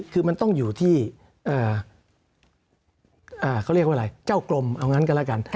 คือมันต้องอยู่ที่เขาเรียกว่าอะไรเจ้ากลมเอางั้นก็แล้วกัน